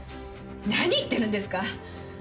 何言ってるんですか！？